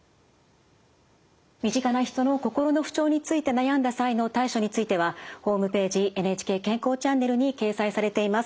身近な人の心の不調について悩んだ際の対処についてはホームページ「ＮＨＫ健康チャンネル」に掲載されています。